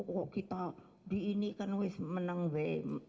kok kita di ini kan meneng weh